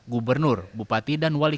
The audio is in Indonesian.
gubernur bupati dan wali